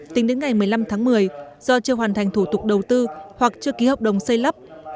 tính đến ngày một mươi năm tháng một mươi do chưa hoàn thành thủ tục đầu tư hoặc chưa ký hợp đồng xây lắp